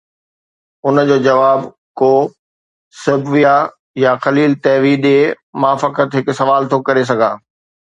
ان جو جواب ڪو سيبويه يا خليل نحوي ڏئي، مان فقط هڪ سوال ٿو ڪري سگهان.